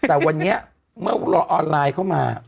แต่วันนี้เมื่อรอออนไลน์เข้ามา